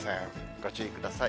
ご注意ください。